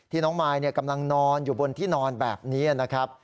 น้องมายกำลังนอนอยู่บนที่นอนแบบนี้นะครับ